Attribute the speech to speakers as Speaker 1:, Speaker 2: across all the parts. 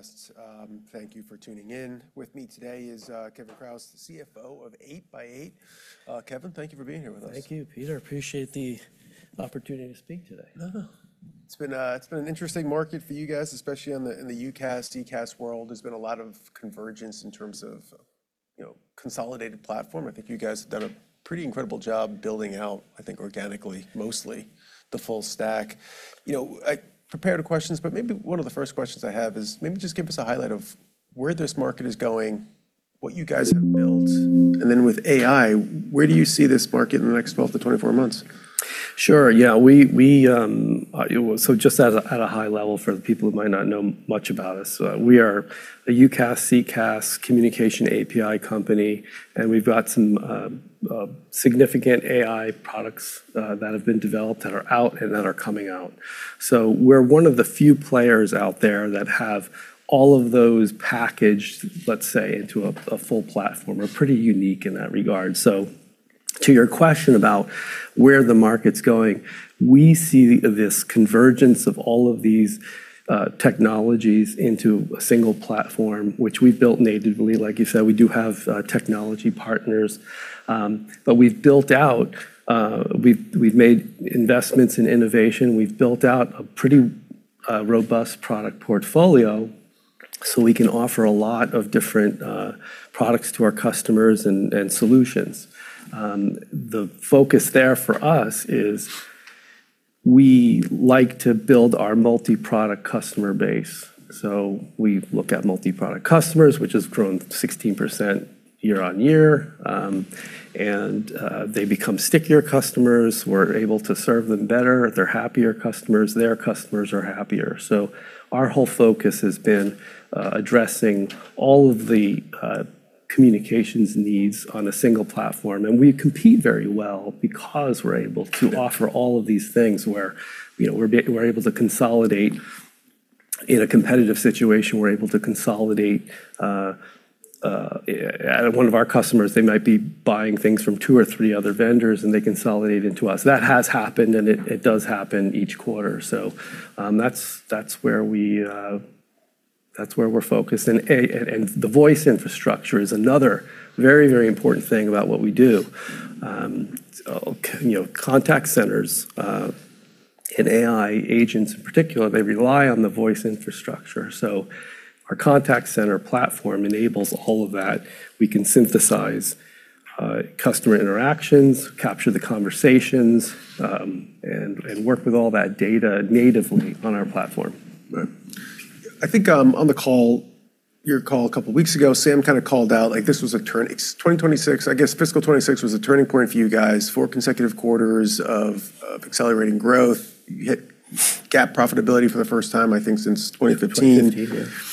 Speaker 1: Casts. Thank you for tuning in. With me today is Kevin Kraus, the CFO of 8x8. Kevin, thank you for being here with us.
Speaker 2: Thank you, Peter. Appreciate the opportunity to speak today.
Speaker 1: No, no. It's been an interesting market for you guys, especially in the UCaaS/CCaaS world. There's been a lot of convergence in terms of consolidated platform. I think you guys have done a pretty incredible job building out, I think, organically, mostly the full stack. I prepared questions, but maybe one of the first questions I have is maybe just give us a highlight of where this market is going, what you guys have built, and then with AI, where do you see this market in the next 12-24 months?
Speaker 2: Sure, yeah. Just at a high level for the people who might not know much about us, we are a UCaaS/CCaaS communication API company, and we've got some significant AI products that have been developed that are out and that are coming out. We're one of the few players out there that have all of those packaged, let's say, into a full platform. We're pretty unique in that regard. To your question about where the market's going, we see this convergence of all of these technologies into a single platform, which we've built natively. Like you said, we do have technology partners. But we've built out, we've made investments in innovation. We've built out a pretty robust product portfolio, so we can offer a lot of different products to our customers, and solutions. The focus there for us is we like to build our multi-product customer base. We look at multi-product customers, which has grown 16% year-on-year, and they become stickier customers. We're able to serve them better. They're happier customers. Their customers are happier. Our whole focus has been addressing all of the communications needs on a single platform, and we compete very well because we're able to offer all of these things where we're able to consolidate. In a competitive situation, we're able to consolidate. One of our customers, they might be buying things from two or three other vendors, and they consolidate into us. That has happened, and it does happen each quarter. That's where we're focused. The voice infrastructure is another very, very important thing about what we do. Contact centers and AI agents in particular, they rely on the voice infrastructure. Our contact center platform enables all of that. We can synthesize customer interactions, capture the conversations, and work with all that data natively on our platform.
Speaker 1: Right. I think on the call, your call a couple of weeks ago, Sam kind of called out, like this was a turn. 2026, I guess fiscal 2026 was a turning point for you guys, four consecutive quarters of accelerating growth. You hit GAAP profitability for the first time, I think since 2015.
Speaker 2: 2015, yeah.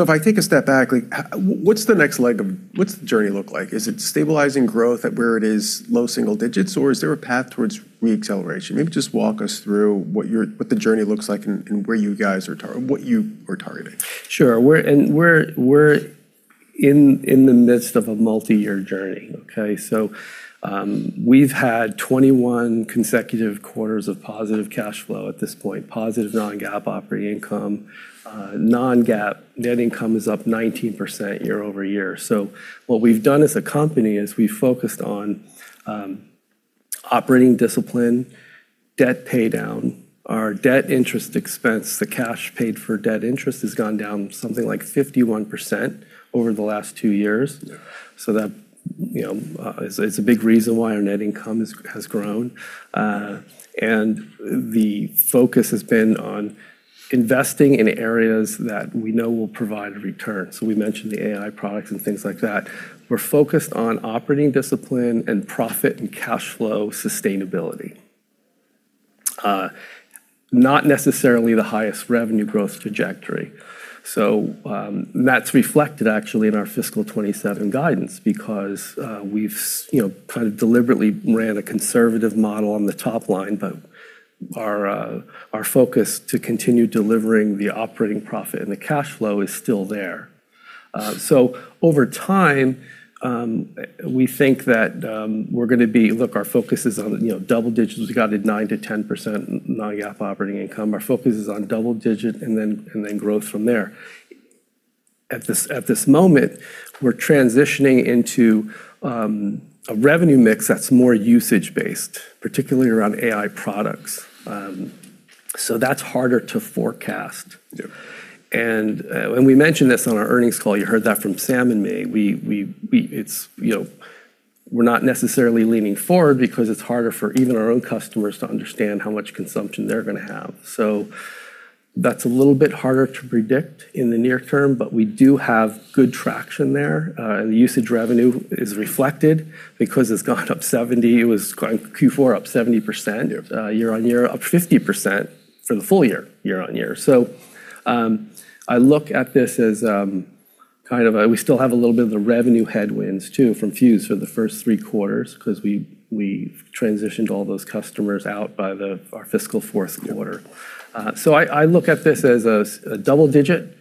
Speaker 1: If I take a step back, what's the next leg of, what's the journey look like? Is it stabilizing growth at where it is, low single digits, or is there a path towards re-acceleration? Just walk us through what the journey looks like and where you guys are, what you are targeting.
Speaker 2: Sure. We're in the midst of a multi-year journey, okay? We've had 21 consecutive quarters of positive cash flow at this point, positive non-GAAP operating income. Non-GAAP net income is up 19% year-over-year. What we've done as a company is we've focused on operating discipline, debt paydown. Our debt interest expense, the cash paid for debt interest has gone down something like 51% over the last two years.
Speaker 1: Yeah.
Speaker 2: That is a big reason why our net income has grown. The focus has been on investing in areas that we know will provide a return. We mentioned the AI products and things like that. We're focused on operating discipline and profit and cash flow sustainability, not necessarily the highest revenue growth trajectory. That's reflected actually in our fiscal 2027 guidance because we've kind of deliberately ran a conservative model on the top line. Our focus to continue delivering the operating profit and the cash flow is still there. Over time, we think that we're gonna be, look, our focus is on double-digits, we guided 9%-10% non-GAAP operating income, our focus is on double-digit and then grow from there. At this moment, we're transitioning into a revenue mix that's more usage-based, particularly around AI products. That's harder to forecast.
Speaker 1: Yeah.
Speaker 2: We mentioned this on our earnings call. You heard that from Sam and me. We're not necessarily leaning forward because it's harder for even our own customers to understand how much consumption they're going to have. That's a little bit harder to predict in the near term, but we do have good traction there. The usage revenue is reflected because it's gone up 70%. It was Q4, up 70%.
Speaker 1: Yeah.
Speaker 2: Year-on-year, up 50% for the full year, year-on-year. I look at this as kind of we still have a little bit of the revenue headwinds too from Fuze for the first three quarters because we've transitioned all those customers out by our fiscal fourth quarter.
Speaker 1: Yeah.
Speaker 2: I look at this as a double-digit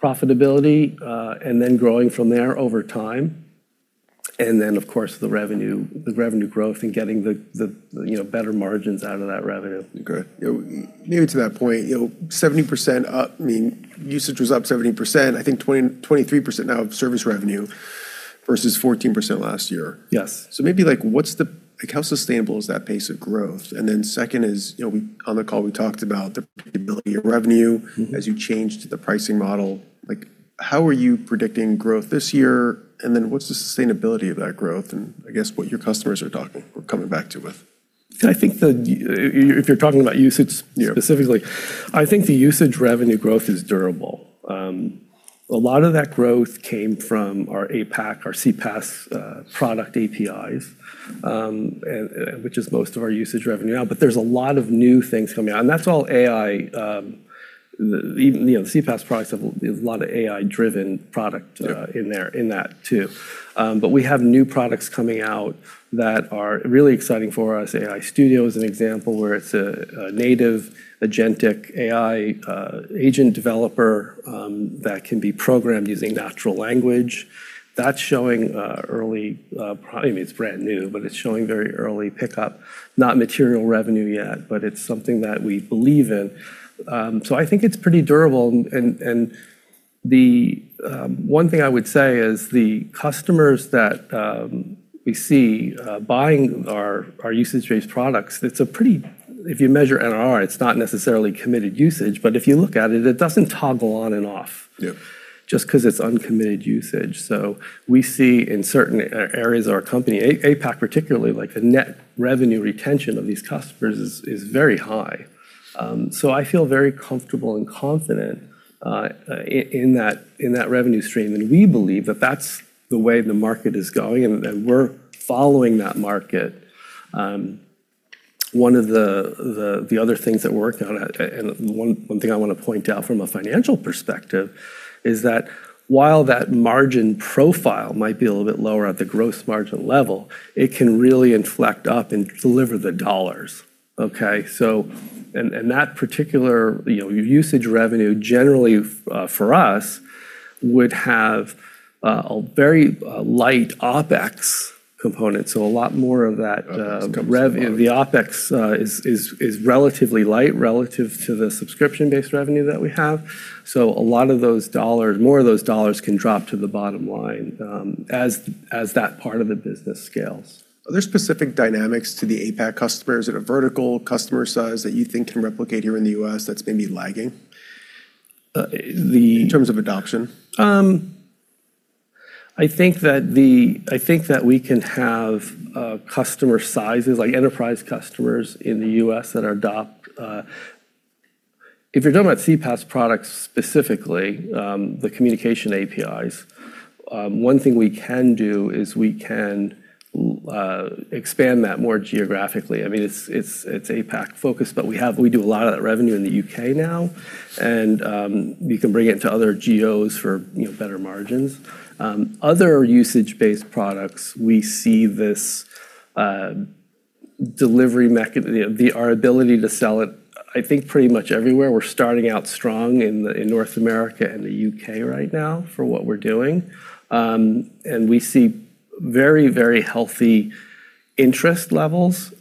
Speaker 2: profitability and then growing from there over time. Of course, the revenue, the revenue growth and getting the better margins out of that revenue.
Speaker 1: Good. Maybe to that point, you know, 70% up, I mean, usage was up 70%, I think 23% now of service revenue versus 14% last year.
Speaker 2: Yes.
Speaker 1: Maybe like, what's the, how sustainable is that pace of growth? Second is, on the call, we talked about the predictability of revenue as you changed the pricing model. How are you predicting growth this year, and then what's the sustainability of that growth, and I guess, what your customers are coming back to you with?
Speaker 2: If you're talking about usage specifically, I think the usage revenue growth is durable. A lot of that growth came from our APAC or CPaaS product APIs, which is most of our usage revenue now, but there's a lot of new things coming out, and that's all AI. The CPaaS products have a lot of AI-driven product in that too. We have new products coming out that are really exciting for us. AI Studio is an example where it's a native agentic AI agent developer that can be programmed using natural language. That's showing early, it's brand new, but it's showing very early pickup. Not material revenue yet, but it's something that we believe in. I think it's pretty durable, and the one thing I would say is the customers that we see buying our usage-based products, if you measure NRR, it's not necessarily committed usage, but if you look at it doesn't toggle on and off.
Speaker 1: Yeah.
Speaker 2: Just because it's uncommitted usage. We see in certain areas of our company, APAC particularly, the net revenue retention of these customers is very high. I feel very comfortable and confident in that revenue stream, and we believe that that's the way the market is going, and we're following that market. One of the other things that we're working on, and one thing I want to point out from a financial perspective is that while that margin profile might be a little bit lower at the gross margin level, it can really inflect up and deliver the dollars. Okay. That particular usage revenue, generally, for us, would have a very light OpEx component.
Speaker 1: OpEx comes through.
Speaker 2: So, a lot more of that, a lot of the OpEx is relatively light relative to the subscription-based revenue that we have. A lot of those dollars, more of those dollars can drop to the bottom line, as that part of the business scales.
Speaker 1: Are there specific dynamics to the APAC customers at a vertical customer size that you think can replicate here in the U.S. that's maybe lagging?
Speaker 2: The.
Speaker 1: In terms of adoption?
Speaker 2: I think that the, I think that we can have customer sizes, like enterprise customers in the U.S. that are, if you're talking about CPaaS products specifically, the communication APIs, one thing we can do is we can expand that more geographically. It's APAC-focused, but we do a lot of that revenue in the U.K. now, and we can bring it to other geos for better margins. Other usage-based products, we see this delivery, our ability to sell it, I think pretty much everywhere. We're starting out strong in North America and the U.K. right now for what we're doing, and we see very, very healthy interest levels.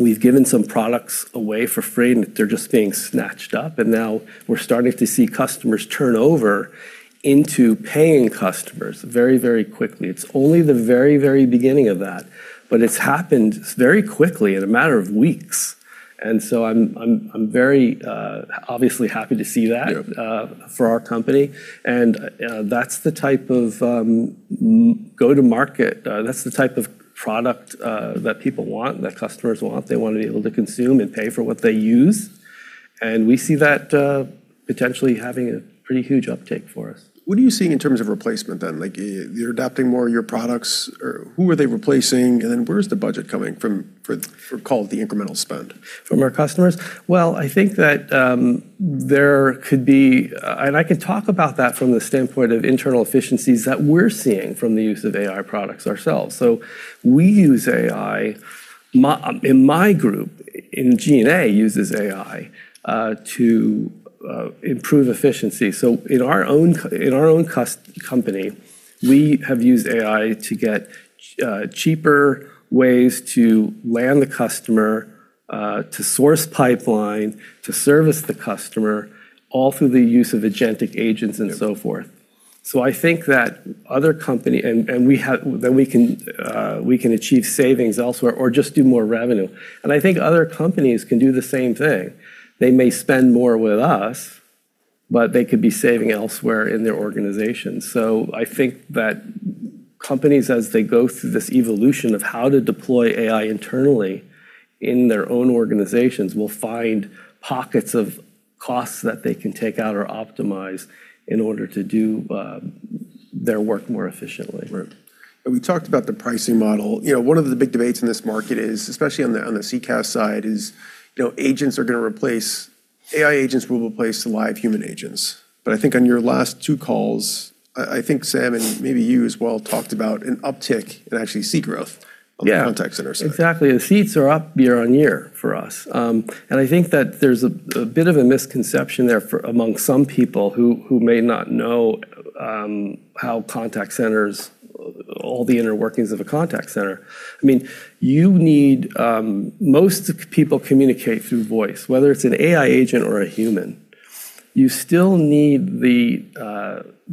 Speaker 2: We've given some products away for free, and they're just being snatched up, and now, we're starting to see customers turn over into paying customers very, very quickly. It's only the very, very beginning of that, but it's happened very quickly, in a matter of weeks. I'm very, obviously, happy to see that.
Speaker 1: Yeah.
Speaker 2: For our company, and that's the type of go-to-market, that's the type of product that people want, that customers want. They want to be able to consume and pay for what they use, and we see that potentially having a pretty huge uptake for us.
Speaker 1: What are you seeing in terms of replacement then? You're adapting more of your products. Who are they replacing, and then where is the budget coming from for, call it, the incremental spend?
Speaker 2: From our customers? Well, I think that there could be, I could talk about that from the standpoint of internal efficiencies that we're seeing from the use of AI products ourselves, so we use AI, and my group in G&A uses AI to improve efficiency. In our own company, we have used AI to get cheaper ways to land the customer, to source pipeline, to service the customer, all through the use of agentic agents and so forth. I think that other company, and we have, we can achieve savings elsewhere or just do more revenue, and I think other companies can do the same thing. They may spend more with us, but they could be saving elsewhere in their organization. I think that companies, as they go through this evolution of how to deploy AI internally in their own organizations, will find pockets of costs that they can take out or optimize in order to do their work more efficiently.
Speaker 1: Right. We talked about the pricing model. One of the big debates in this market is, especially on the CCaaS side is, you know, agents are gonna replace, AI agents will replace the live human agents. I think on your last two calls, I think Sam and maybe you as well, talked about an uptick in actually seat growth.
Speaker 2: Yeah.
Speaker 1: On the contact center side.
Speaker 2: Exactly. The seats are up year-on-year for us. I think that there's a bit of a misconception there among some people who may not know how contact centers, all the inner workings of a contact center. You need, most people communicate through voice, whether it's an AI agent or a human. You still need the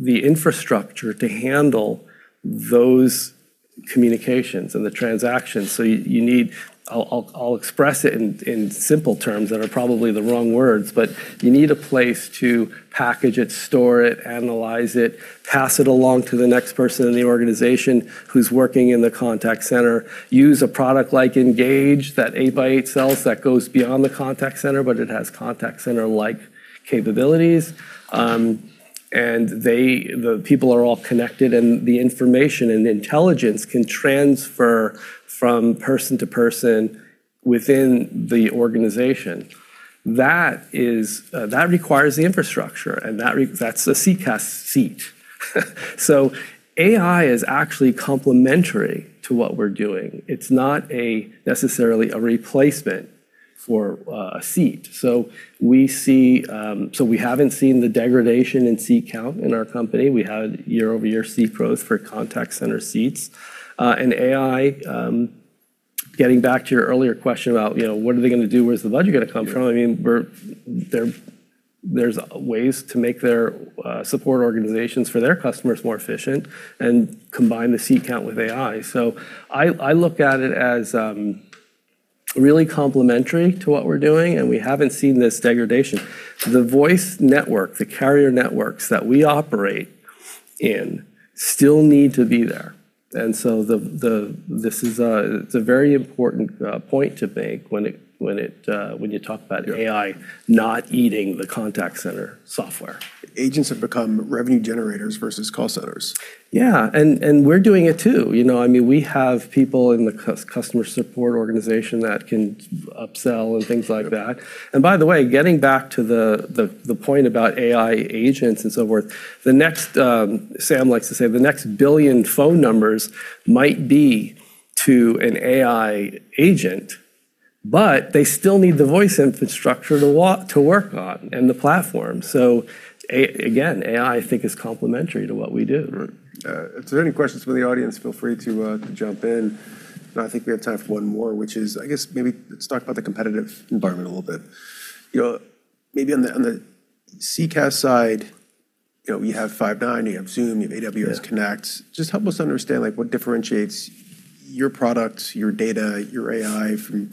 Speaker 2: infrastructure to handle those communications and the transactions, so you need, I'll express it in simple terms that are probably the wrong words, but you need a place to package it, store it, analyze it, pass it along to the next person in the organization who's working in the contact center, use a product like Engage, that 8x8 sells, that goes beyond the contact center, but it has contact center-like capabilities. The people are all connected, and the information and intelligence can transfer from person to person within the organization. That requires the infrastructure, and that's the CCaaS seat. AI is actually complementary to what we're doing. It's not necessarily a replacement for a seat. We haven't seen the degradation in seat count in our company. We had year-over-year seat growth for contact center seats. And AI, getting back to your earlier question about what are they going to do? Where's the budget going to come from? There's ways to make their support organizations for their customers more efficient and combine the seat count with AI. I look at it as really complementary to what we're doing, and we haven't seen this degradation. The voice network, the carrier networks that we operate in still need to be there, and so it's a very important point to make when you talk about AI not eating the contact center software.
Speaker 1: Agents have become revenue generators versus call centers.
Speaker 2: Yeah, and we're doing it too. We have people in the customer support organization that can upsell and things like that. By the way, getting back to the point about AI agents and so forth, the next, Sam likes to say the next billion phone numbers might be to an AI agent, but they still need the voice infrastructure to work on and the platform. Again, AI, I think, is complementary to what we do.
Speaker 1: Right. If there are any questions from the audience, feel free to jump in. I think we have time for one more, which is, I guess maybe let's talk about the competitive environment a little bit. Maybe on the CCaaS side, you have Five9, you have Zoom, you have AWS Connect. Just help us understand what differentiates your products, your data, your AI from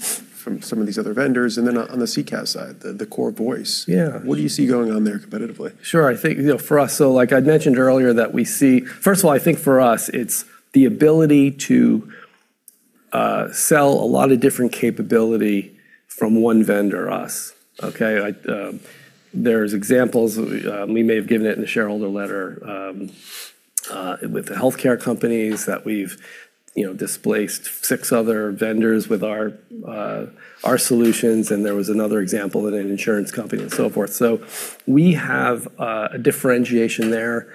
Speaker 1: some of these other vendors. Then on the CCaaS side, the core voice.
Speaker 2: Yeah.
Speaker 1: What do you see going on there competitively?
Speaker 2: Sure. I think, for us, like I mentioned earlier, that we see, first of all, I think for us, it's the ability to sell a lot of different capability from one vendor, us. Okay? There's examples, we may have given it in the shareholder letter, with the healthcare companies that we've displaced six other vendors with our solutions. There was another example in an insurance company and so forth. We have a differentiation there.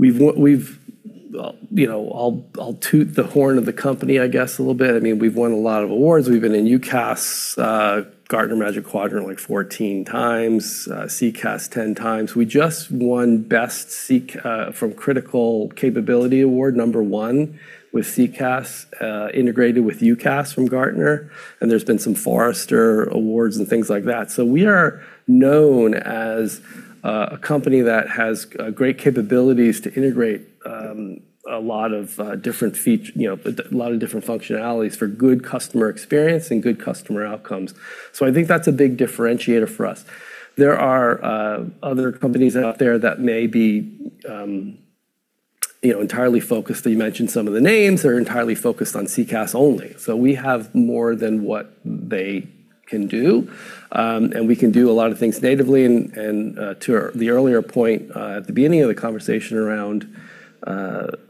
Speaker 2: I'll toot the horn of the company, I guess, a little bit. We've won a lot of awards. We've been in UCaaS, Gartner Magic Quadrant, 14 times, CCaaS 10 times. We just won from Critical Capability Award, number one with CCaaS, integrated with UCaaS from Gartner. There's been some Forrester awards and things like that. We are known as a company that has great capabilities to integrate a lot of different seats, different functionalities for good customer experience and good customer outcomes. I think that's a big differentiator for us. There are other companies out there that may be entirely focused, you mentioned some of the names, are entirely focused on CCaaS only. We have more than what they can do, and we can do a lot of things natively. To the earlier point, at the beginning of the conversation around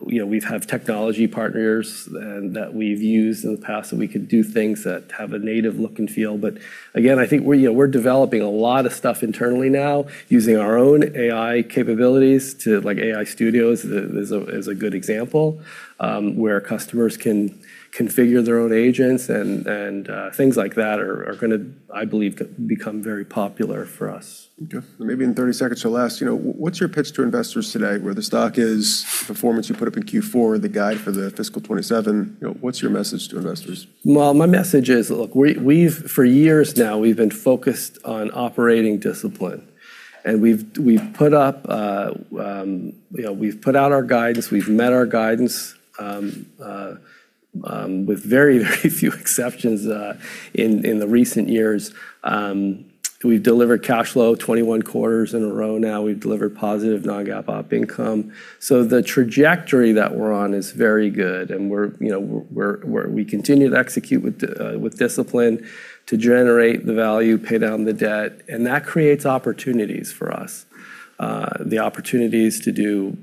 Speaker 2: we have technology partners that we've used in the past, that we could do things that have a native look and feel. Again, I think we're developing a lot of stuff internally now using our own AI capabilities to, like AI Studio is a good example, where customers can configure their own agents and things like that are going to, I believe, become very popular for us.
Speaker 1: Okay. Maybe in 30 seconds or less, what's your pitch to investors today? Where the stock is, performance you put up in Q4, the guide for the fiscal 2027, what's your message to investors?
Speaker 2: Well, my message is, look, for years now, we've been focused on operating discipline. We've put out our guidance. We've met our guidance, with very few exceptions in the recent years. We've delivered cash flow 21 quarters in a row now. We've delivered positive non-GAAP op income. The trajectory that we're on is very good, and we continue to execute with discipline to generate the value, pay down the debt, and that creates opportunities for us. The opportunities to do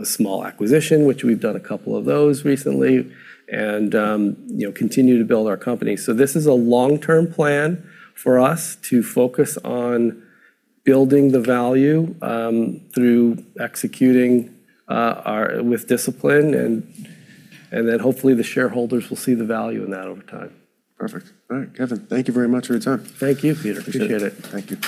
Speaker 2: a small acquisition, which we've done a couple of those recently, and continue to build our company. This is a long-term plan for us to focus on building the value, through executing with discipline, and then hopefully the shareholders will see the value in that over time.
Speaker 1: Perfect. All right. Kevin, thank you very much for your time.
Speaker 2: Thank you, Peter. Appreciate it.
Speaker 1: Thank you.